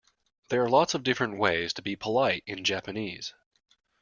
There are lots of different ways to be polite in Japanese.